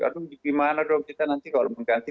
aduh gimana dong kita nanti kalau mengganti